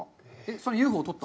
それはＵＦＯを撮った？